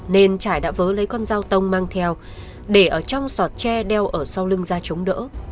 nên trải đã vớ lấy con dao tông mang theo để ở trong sọt tre đeo ở sau lưng ra chống đỡ